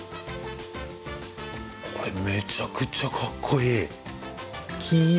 これめちゃくちゃかっこいい。